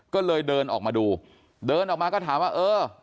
ก็เลยเดินออกมาดูเดินออกมาก็ถามว่าเออ